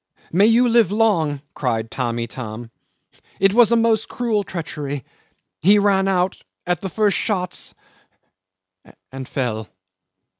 "May you live long," cried Tamb' Itam. "It was a most cruel treachery. He ran out at the first shots and fell."